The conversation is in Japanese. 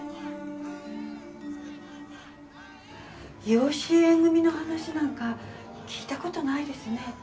養子縁組の話なんか聞いた事ないですね。